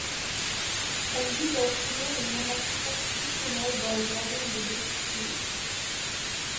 Elle vise à obtenir une monarchie constitutionnelle dans le royaume des Deux-Siciles.